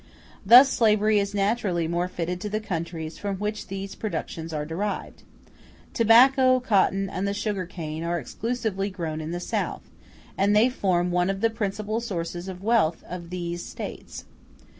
Thus slavery is naturally more fitted to the countries from which these productions are derived. Tobacco, cotton, and the sugar cane are exclusively grown in the South, and they form one of the principal sources of the wealth of those States.